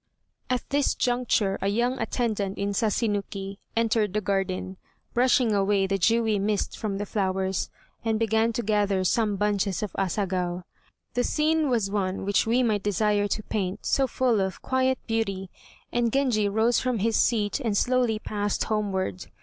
At this juncture a young attendant in Sasinuki entered the garden, brushing away the dewy mist from the flowers, and began to gather some bunches of Asagao. The scene was one which we might desire to paint, so full of quiet beauty, and Genji rose from his seat, and slowly passed homeward.